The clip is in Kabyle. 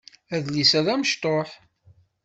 Adlis-a d amecṭuḥ.